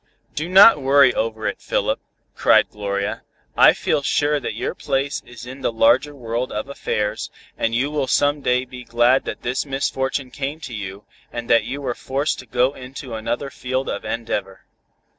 "Do not worry over it, Philip," cried Gloria, "I feel sure that your place is in the larger world of affairs, and you will some day be glad that this misfortune came to you, and that you were forced to go into another field of endeavor.